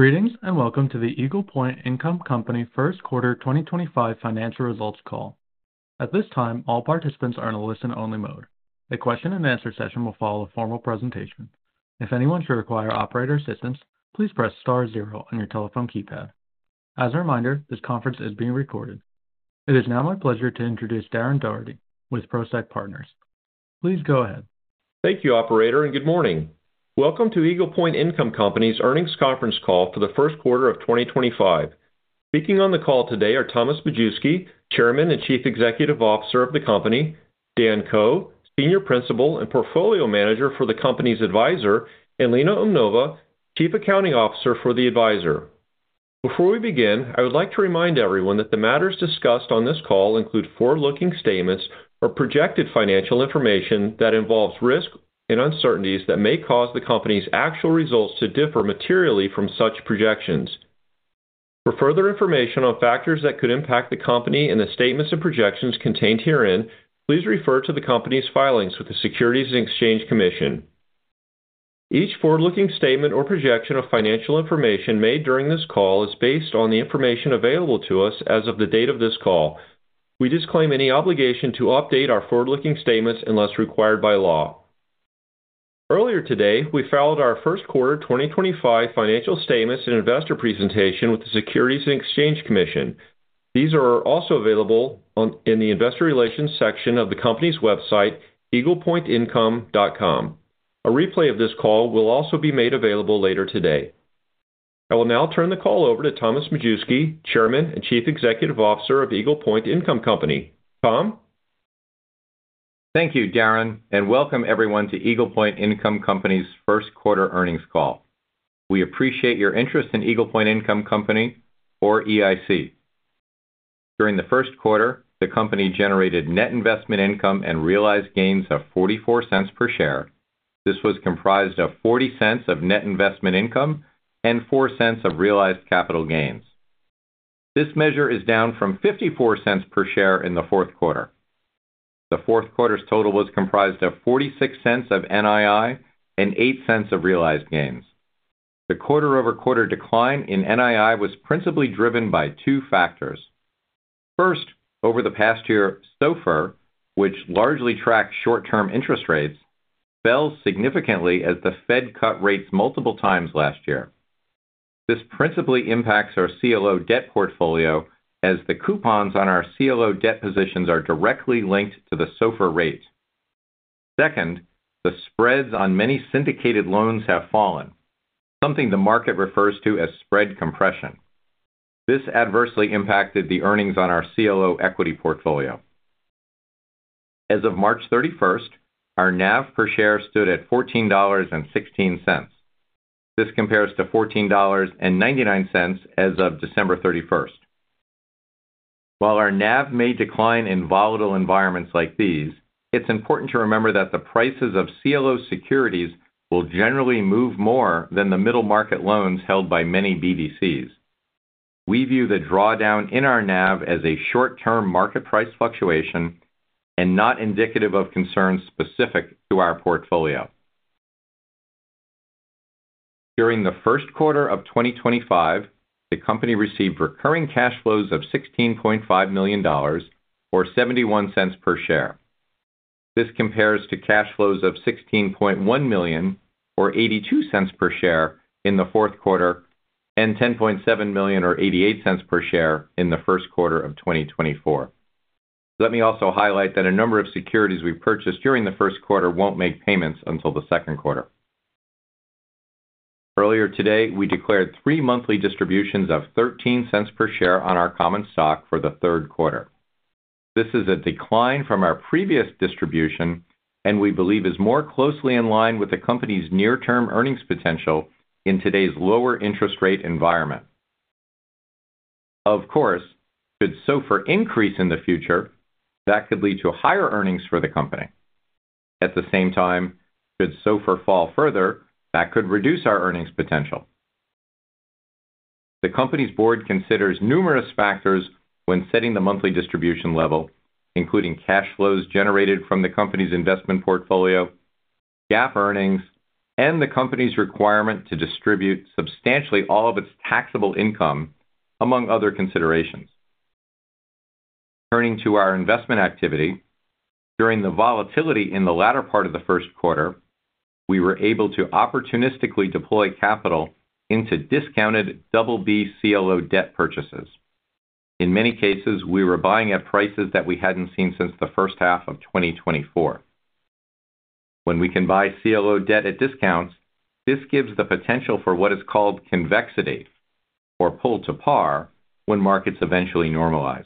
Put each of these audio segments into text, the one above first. Greetings and welcome to the Eagle Point Income Company First Quarter 2025 Financial Results Call. At this time, all participants are in a listen-only mode. The question-and-answer session will follow a formal presentation. If anyone should require operator assistance, please press star zero on your telephone keypad. As a reminder, this conference is being recorded. It is now my pleasure to introduce Darren Daugherty with Prosek Partners. Please go ahead. Thank you, Operator, and good morning. Welcome to Eagle Point Income Company's earnings conference call for the first quarter of 2025. Speaking on the call today are Thomas Majewski, Chairman and Chief Executive Officer of the company, Dan Ko, Senior Principal and Portfolio Manager for the company's advisor, and Lena Umnova, Chief Accounting Officer for the advisor. Before we begin, I would like to remind everyone that the matters discussed on this call include forward-looking statements or projected financial information that involves risk and uncertainties that may cause the company's actual results to differ materially from such projections. For further information on factors that could impact the company and the statements and projections contained herein, please refer to the company's filings with the Securities and Exchange Commission. Each forward-looking statement or projection of financial information made during this call is based on the information available to us as of the date of this call. We disclaim any obligation to update our forward-looking statements unless required by law. Earlier today, we filed our first quarter 2025 financial statements and investor presentation with the Securities and Exchange Commission. These are also available in the investor relations section of the company's website, eaglepointincome.com. A replay of this call will also be made available later today. I will now turn the call over to Thomas Majewski, Chairman and Chief Executive Officer of Eagle Point Income Company. Tom? Thank you, Darren, and welcome everyone to Eagle Point Income Company's first quarter earnings call. We appreciate your interest in Eagle Point Income Company, or EIC. During the first quarter, the company generated net investment income and realized gains of $0.44 per share. This was comprised of $0.40 of net investment income and $0.04 of realized capital gains. This measure is down from $0.54 per share in the fourth quarter. The fourth quarter's total was comprised of $0.46 of NII and $0.08 of realized gains. The quarter-over-quarter decline in NII was principally driven by two factors. First, over the past year, SOFR, which largely tracks short-term interest rates, fell significantly as the Fed cut rates multiple times last year. This principally impacts our CLO debt portfolio as the coupons on our CLO debt positions are directly linked to the SOFR rate. Second, the spreads on many syndicated loans have fallen, something the market refers to as spread compression. This adversely impacted the earnings on our CLO equity portfolio. As of March 31, our NAV per share stood at $14.16. This compares to $14.99 as of December 31. While our NAV may decline in volatile environments like these, it's important to remember that the prices of CLO securities will generally move more than the middle market loans held by many BDCs. We view the drawdown in our NAV as a short-term market price fluctuation and not indicative of concerns specific to our portfolio. During the first quarter of 2025, the company received recurring cash flows of $16,500,000, or $0.71 per share. This compares to cash flows of $16.1 million, or $0.82 per share in the fourth quarter, and $10.7 million, or $0.88 per share in the first quarter of 2024. Let me also highlight that a number of securities we purchased during the first quarter will not make payments until the second quarter. Earlier today, we declared three monthly distributions of $0.13 per share on our common stock for the third quarter. This is a decline from our previous distribution and we believe is more closely in line with the company's near-term earnings potential in today's lower interest rate environment. Of course, should SOFR increase in the future, that could lead to higher earnings for the company. At the same time, should SOFR fall further, that could reduce our earnings potential. The company's board considers numerous factors when setting the monthly distribution level, including cash flows generated from the company's investment portfolio, GAAP earnings, and the company's requirement to distribute substantially all of its taxable income, among other considerations. Turning to our investment activity, during the volatility in the latter part of the first quarter, we were able to opportunistically deploy capital into discounted BB CLO debt purchases. In many cases, we were buying at prices that we had not seen since the first half of 2024. When we can buy CLO debt at discounts, this gives the potential for what is called convexity, or pull to par, when markets eventually normalize.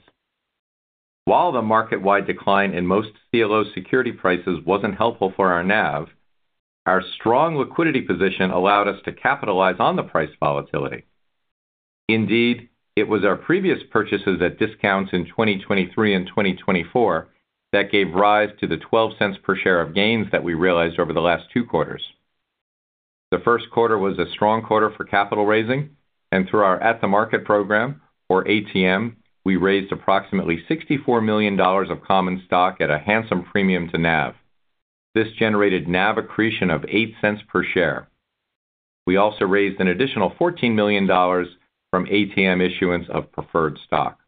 While the market-wide decline in most CLO security prices was not helpful for our NAV, our strong liquidity position allowed us to capitalize on the price volatility. Indeed, it was our previous purchases at discounts in 2023 and 2024 that gave rise to the $0.12 per share of gains that we realized over the last two quarters. The first quarter was a strong quarter for capital raising, and through our At The Market program, or ATM, we raised approximately $64 million of common stock at a handsome premium to NAV. This generated NAV accretion of $0.08 per share. We also raised an additional $14 million from ATM issuance of preferred stock.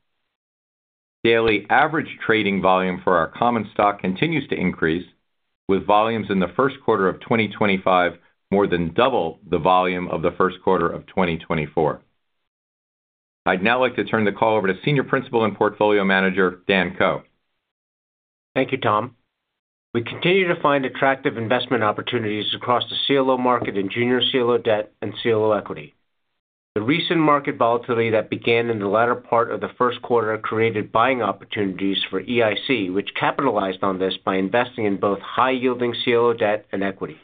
Daily average trading volume for our common stock continues to increase, with volumes in the first quarter of 2025 more than double the volume of the first quarter of 2024. I'd now like to turn the call over to Senior Principal and Portfolio Manager, Dan Ko. Thank you, Tom. We continue to find attractive investment opportunities across the CLO market in junior CLO debt and CLO equity. The recent market volatility that began in the latter part of the first quarter created buying opportunities for EIC, which capitalized on this by investing in both high-yielding CLO debt and equity.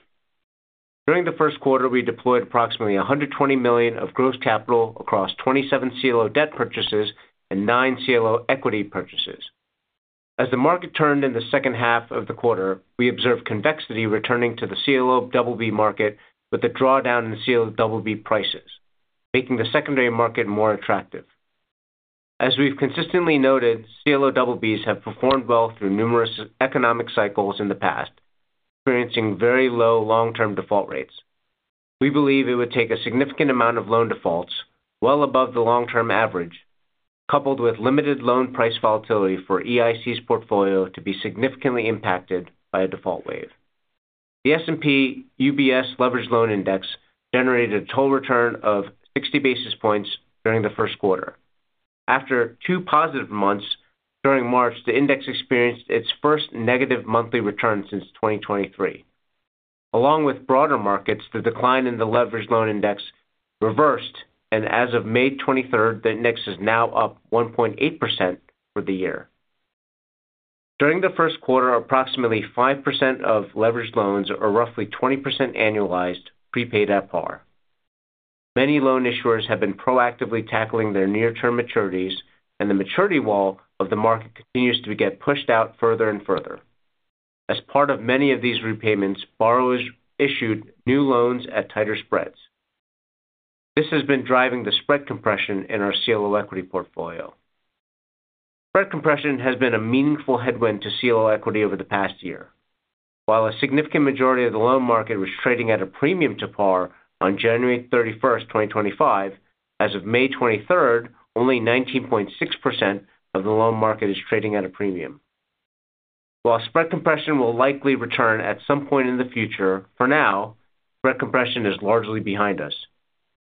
During the first quarter, we deployed approximately $120 million of gross capital across 27 CLO debt purchases and 9 CLO equity purchases. As the market turned in the second half of the quarter, we observed convexity returning to the CLO BB market with a drawdown in CLO BB prices, making the secondary market more attractive. As we've consistently noted, CLO BBs have performed well through numerous economic cycles in the past, experiencing very low long-term default rates. We believe it would take a significant amount of loan defaults well above the long-term average, coupled with limited loan price volatility for EIC's portfolio to be significantly impacted by a default wave. The S&P UBS Leveraged Loan Index generated a total return of 60 basis points during the first quarter. After two positive months during March, the index experienced its first negative monthly return since 2023. Along with broader markets, the decline in the Leveraged Loan Index reversed, and as of May 23, the index is now up 1.8% for the year. During the first quarter, approximately 5% of leveraged loans, or roughly 20% annualized, prepaid at par. Many loan issuers have been proactively tackling their near-term maturities, and the maturity wall of the market continues to get pushed out further and further. As part of many of these repayments, borrowers issued new loans at tighter spreads. This has been driving the spread compression in our CLO equity portfolio. Spread compression has been a meaningful headwind to CLO equity over the past year. While a significant majority of the loan market was trading at a premium to par on January 31, 2025, as of May 23, only 19.6% of the loan market is trading at a premium. While spread compression will likely return at some point in the future, for now, spread compression is largely behind us.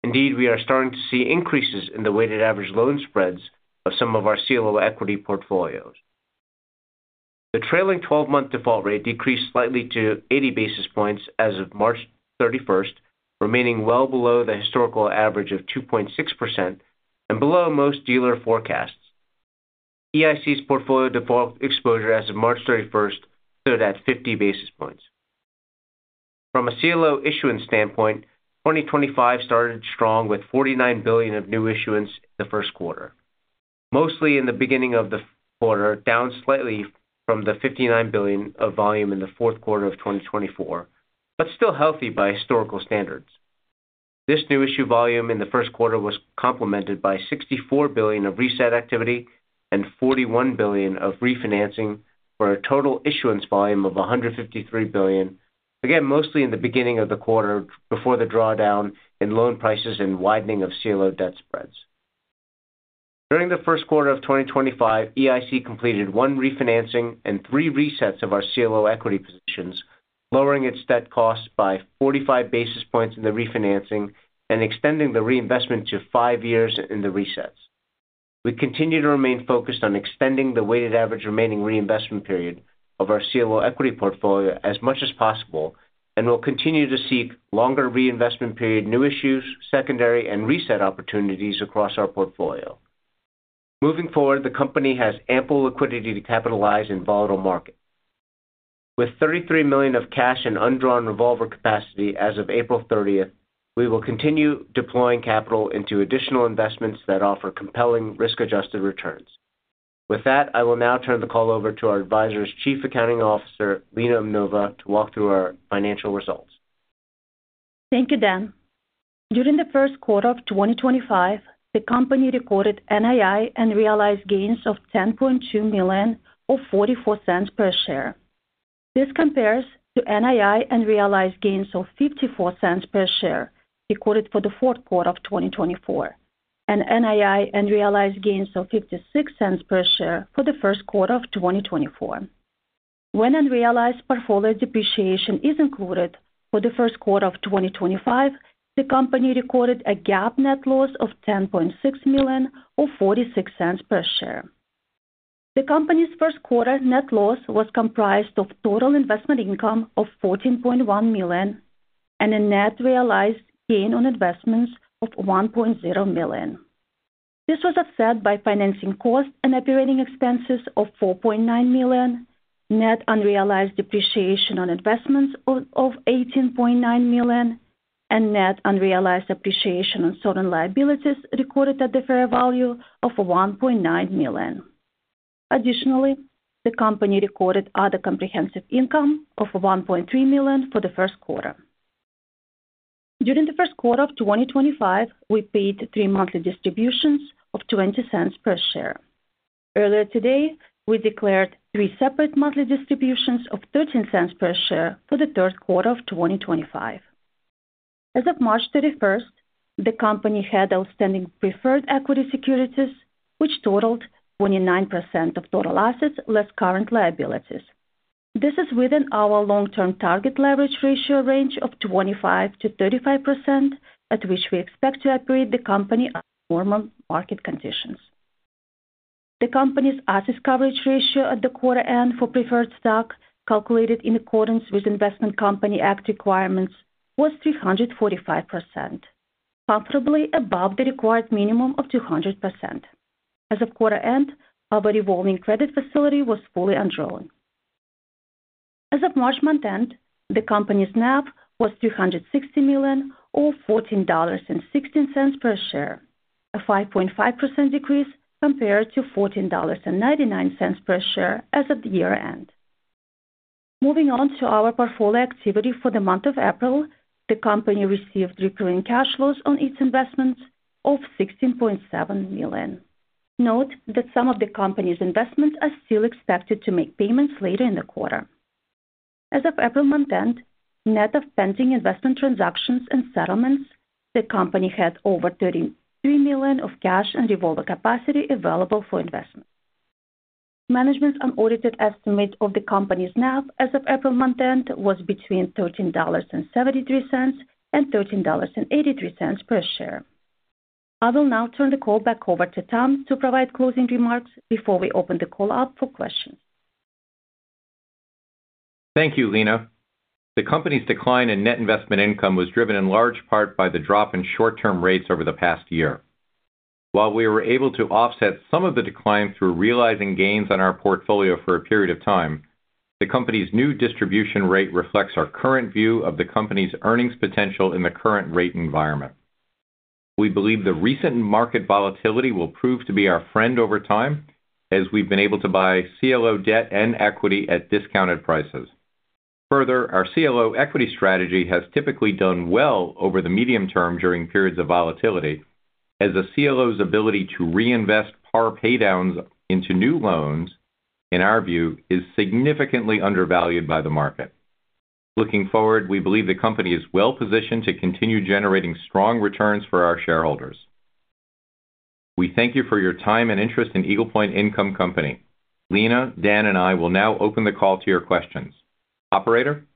Indeed, we are starting to see increases in the weighted average loan spreads of some of our CLO equity portfolios. The trailing 12-month default rate decreased slightly to 80 basis points as of March 31, remaining well below the historical average of 2.6% and below most dealer forecasts. EIC's portfolio default exposure as of March 31 stood at 50 basis points. From a CLO issuance standpoint, 2025 started strong with $49 billion of new issuance in the first quarter, mostly in the beginning of the quarter, down slightly from the $59 billion of volume in the fourth quarter of 2024, but still healthy by historical standards. This new issue volume in the first quarter was complemented by $64 billion of reset activity and $41 billion of refinancing for a total issuance volume of $153 billion, again mostly in the beginning of the quarter before the drawdown in loan prices and widening of CLO debt spreads. During the first quarter of 2025, EIC completed one refinancing and three resets of our CLO equity positions, lowering its debt cost by 45 basis points in the refinancing and extending the reinvestment to five years in the resets. We continue to remain focused on extending the weighted average remaining reinvestment period of our CLO equity portfolio as much as possible and will continue to seek longer reinvestment period new issues, secondary, and reset opportunities across our portfolio. Moving forward, the company has ample liquidity to capitalize in volatile markets. With $33 million of cash and undrawn revolver capacity as of April 30, we will continue deploying capital into additional investments that offer compelling risk-adjusted returns. With that, I will now turn the call over to our advisor's Chief Accounting Officer, Lena Umnova, to walk through our financial results. Thank you, Dan. During the first quarter of 2025, the company recorded NII and realized gains of $10.2 million or $0.44 per share. This compares to NII and realized gains of $0.54 per share recorded for the fourth quarter of 2024 and NII and realized gains of $0.56 per share for the first quarter of 2024. When unrealized portfolio depreciation is included for the first quarter of 2025, the company recorded a GAAP net loss of $10.6 million or $0.46 per share. The company's first quarter net loss was comprised of total investment income of $14.1 million and a net realized gain on investments of $1.0 million. This was offset by financing cost and operating expenses of $4.9 million, net unrealized depreciation on investments of $18.9 million, and net unrealized appreciation on certain liabilities recorded at the fair value of $1.9 million. Additionally, the company recorded other comprehensive income of $1.3 million for the first quarter. During the first quarter of 2025, we paid three monthly distributions of $0.20 per share. Earlier today, we declared three separate monthly distributions of $0.13 per share for the third quarter of 2025. As of March 31, the company had outstanding preferred equity securities, which totaled 29% of total assets less current liabilities. This is within our long-term target leverage ratio range of 25%-35%, at which we expect to operate the company under normal market conditions. The company's asset coverage ratio at the quarter end for preferred stock, calculated in accordance with Investment Company Act requirements, was 345%, comfortably above the required minimum of 200%. As of quarter end, our revolving credit facility was fully underwritten. As of March month end, the company's NAV was $360 million or $14.16 per share, a 5.5% decrease compared to $14.99 per share as of the year-end. Moving on to our portfolio activity for the month of April, the company received recurring cash flows on its investments of $16.7 million. Note that some of the company's investments are still expected to make payments later in the quarter. As of April month end, net of pending investment transactions and settlements, the company had over $33 million of cash and revolver capacity available for investment. Management's unaudited estimate of the company's NAV as of April month end was between $13.73 and $13.83 per share. I will now turn the call back over to Tom to provide closing remarks before we open the call up for questions. Thank you, Lena. The company's decline in net investment income was driven in large part by the drop in short-term rates over the past year. While we were able to offset some of the decline through realizing gains on our portfolio for a period of time, the company's new distribution rate reflects our current view of the company's earnings potential in the current rate environment. We believe the recent market volatility will prove to be our friend over time, as we've been able to buy CLO debt and equity at discounted prices. Further, our CLO equity strategy has typically done well over the medium term during periods of volatility, as a CLO's ability to reinvest par paydowns into new loans, in our view, is significantly undervalued by the market. Looking forward, we believe the company is well positioned to continue generating strong returns for our shareholders. We thank you for your time and interest in Eagle Point Income Company. Lena, Dan, and I will now open the call to your questions. Operator?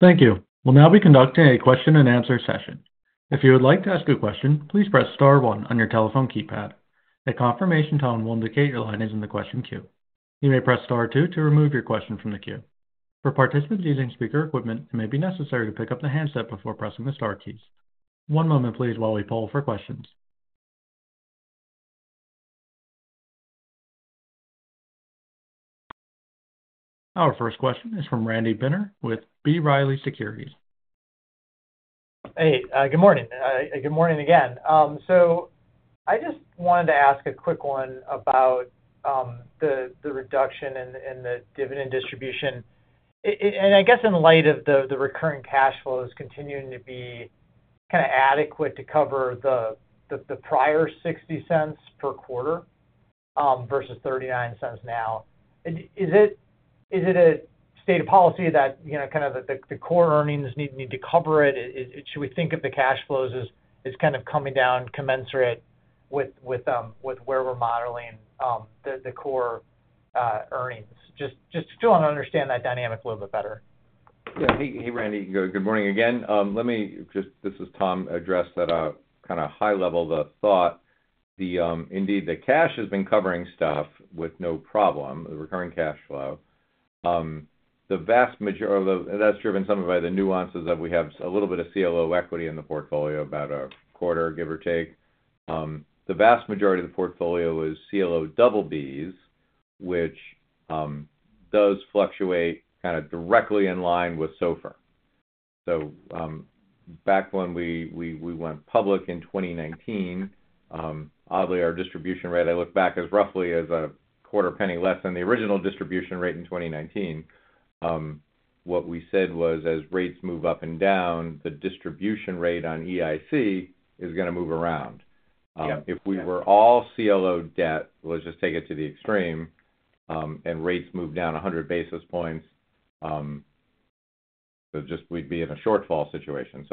Thank you. We'll now be conducting a question-and-answer session. If you would like to ask a question, please press Star one on your telephone keypad. A confirmation tone will indicate your line is in the question queue. You may press Star two to remove your question from the queue. For participants using speaker equipment, it may be necessary to pick up the handset before pressing the Star keys. One moment, please, while we poll for questions. Our first question is from Randy Binner with B. Riley Securities. Hey, good morning. Good morning again. I just wanted to ask a quick one about the reduction in the dividend distribution. I guess in light of the recurring cash flows continuing to be kind of adequate to cover the prior $0.60 per quarter versus $0.39 now, is it a state of policy that kind of the core earnings need to cover it? Should we think of the cash flows as kind of coming down commensurate with where we're modeling the core earnings? I just still want to understand that dynamic a little bit better. Yeah. Hey, Randy. Good morning again. Let me just, this is Tom, address at a kind of high level the thought. Indeed, the cash has been covering stuff with no problem, the recurring cash flow. The vast majority of that's driven some of the nuances that we have a little bit of CLO equity in the portfolio, about a quarter, give or take. The vast majority of the portfolio is CLO BBs, which does fluctuate kind of directly in line with SOFR. Back when we went public in 2019, oddly, our distribution rate, I look back, is roughly a quarter penny less than the original distribution rate in 2019. What we said was, as rates move up and down, the distribution rate on EIC is going to move around. If we were all CLO debt, let's just take it to the extreme, and rates move down 100 basis points, we'd be in a shortfall situation.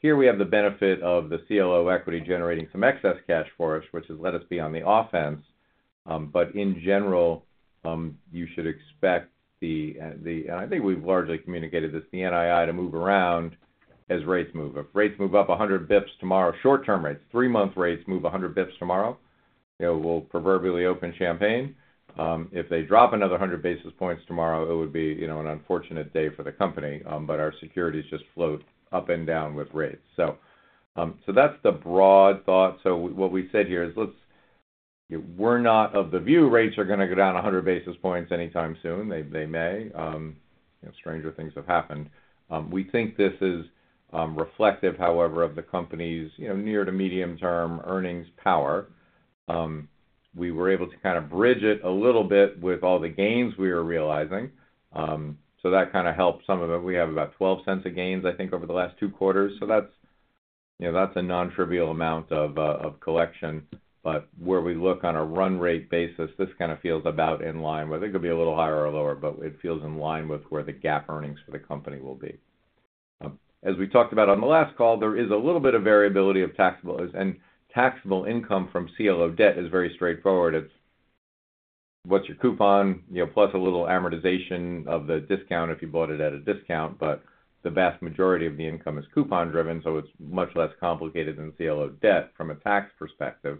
Here we have the benefit of the CLO equity generating some excess cash for us, which has let us be on the offense. In general, you should expect the, and I think we've largely communicated this, the NII to move around as rates move. If rates move up 100 basis points tomorrow, short-term rates, three-month rates move 100 basis points tomorrow, we'll proverbially open champagne. If they drop another 100 basis points tomorrow, it would be an unfortunate day for the company. Our securities just float up and down with rates. That's the broad thought. What we said here is, we're not of the view rates are going to go down 100 basis points anytime soon. They may. Stranger things have happened. We think this is reflective, however, of the company's near to medium-term earnings power. We were able to kind of bridge it a little bit with all the gains we were realizing. That kind of helped some of it. We have about $0.12 of gains, I think, over the last two quarters. That is a non-trivial amount of collection. Where we look on a run rate basis, this kind of feels about in line. I think it could be a little higher or lower, but it feels in line with where the GAAP earnings for the company will be. As we talked about on the last call, there is a little bit of variability of taxable income from CLO debt. It is very straightforward. It is what is your coupon, plus a little amortization of the discount if you bought it at a discount. The vast majority of the income is coupon-driven, so it's much less complicated than CLO debt from a tax perspective.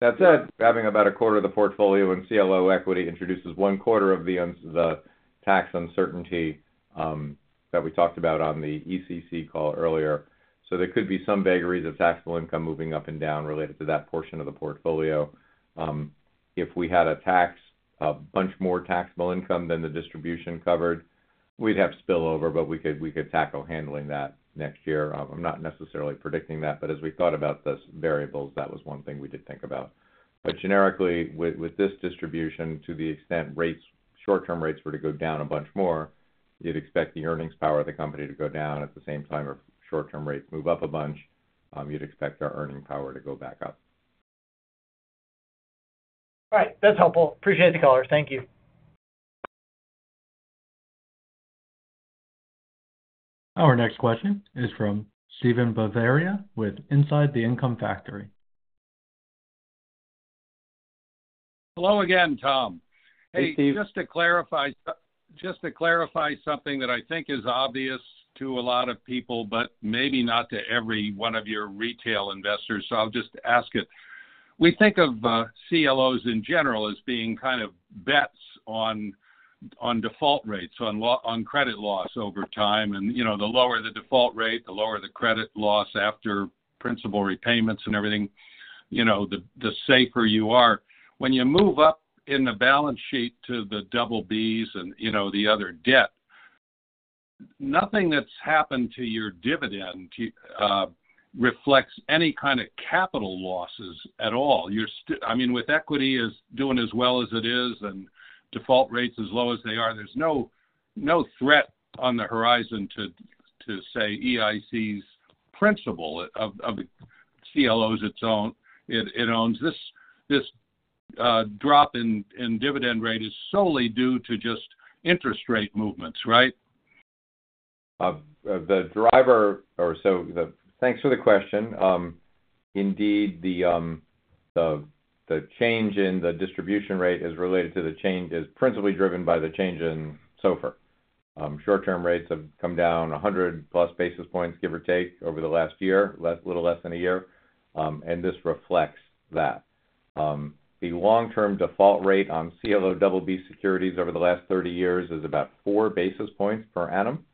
That said, having about a quarter of the portfolio in CLO equity introduces one quarter of the tax uncertainty that we talked about on the ECC call earlier. There could be some vagaries of taxable income moving up and down related to that portion of the portfolio. If we had a bunch more taxable income than the distribution covered, we'd have spillover, but we could tackle handling that next year. I'm not necessarily predicting that, but as we thought about those variables, that was one thing we did think about. Generically, with this distribution, to the extent short-term rates were to go down a bunch more, you'd expect the earnings power of the company to go down. At the same time as short-term rates move up a bunch, you'd expect our earning power to go back up. All right. That's helpful. Appreciate the color. Thank you. Our next question is from Steven Bavaria with Inside the Income Factory. Hello again, Tom. Hey, Steve. Just to clarify something that I think is obvious to a lot of people, but maybe not to every one of your retail investors, so I'll just ask it. We think of CLOs in general as being kind of bets on default rates, on credit loss over time. The lower the default rate, the lower the credit loss after principal repayments and everything, the safer you are. When you move up in the balance sheet to the BBs and the other debt, nothing that's happened to your dividend reflects any kind of capital losses at all. I mean, with equity doing as well as it is and default rates as low as they are, there's no threat on the horizon to, say, EIC's principal of CLOs it owns. This drop in dividend rate is solely due to just interest rate movements, right? The driver, or so thanks for the question. Indeed, the change in the distribution rate is related to the change is principally driven by the change in SOFR. Short-term rates have come down 100-plus basis points, give or take, over the last year, a little less than a year. This reflects that. The long-term default rate on CLO BB securities over the last 30 years is about four basis points per annum.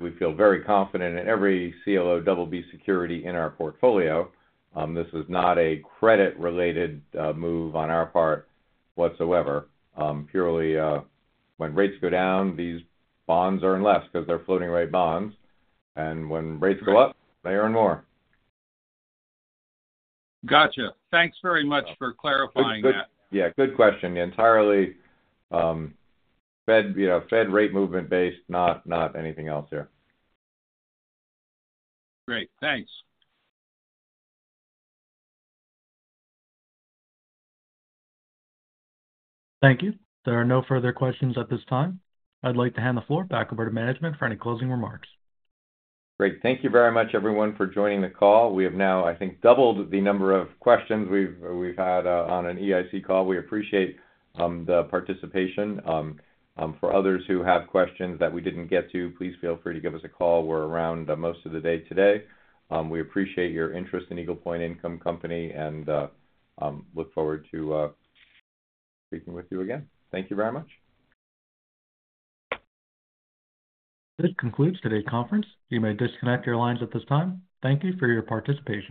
We feel very confident in every CLO BB security in our portfolio. This is not a credit-related move on our part whatsoever. Purely when rates go down, these bonds earn less because they're floating-rate bonds. When rates go up, they earn more. Gotcha. Thanks very much for clarifying that. Yeah. Good question. Entirely Fed rate movement-based, not anything else here. Great. Thanks. Thank you. There are no further questions at this time. I'd like to hand the floor back over to management for any closing remarks. Great. Thank you very much, everyone, for joining the call. We have now, I think, doubled the number of questions we've had on an EIC call. We appreciate the participation. For others who have questions that we didn't get to, please feel free to give us a call. We're around most of the day today. We appreciate your interest in Eagle Point Income Company and look forward to speaking with you again. Thank you very much. This concludes today's conference. You may disconnect your lines at this time. Thank you for your participation.